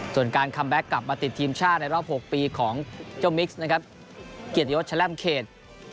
ส่วนการคัมแบ็คกลับมาติดทีมชาติในรอบ๖ปีของเกียรติยศชะแร่มเขต